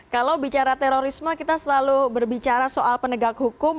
kalau bicara terorisme kita selalu berbicara soal penegak hukum